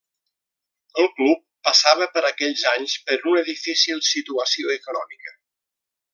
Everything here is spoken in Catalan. El club passava per aquells anys per una difícil situació econòmica.